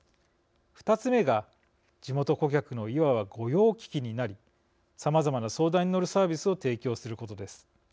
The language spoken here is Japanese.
２つ目が、地元顧客のいわば御用聞きになりさまざまな相談に乗るサービスを提供することです。